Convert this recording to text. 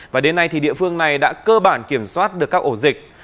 và đến nay thì địa phương này đã cơ bản kiểm soát được các ổ dịch